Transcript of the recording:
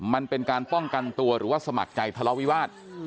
มันเป็นการป้องกันตัวหรือว่าสมัครใจทะเลาวิวาส